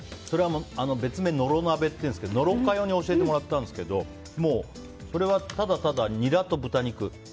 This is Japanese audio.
別名、野呂鍋っていうんですけど野呂佳代に教えてもらったんですけどそれはただただ、ニラと豚肉。